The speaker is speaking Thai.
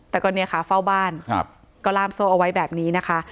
แต่ก็เนี่ยค่ะเฝ้าบ้านก็ล่ามโซ่เอาไว้แบบนี้นะคะ